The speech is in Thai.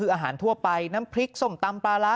คืออาหารทั่วไปน้ำพริกส้มตำปลาร้า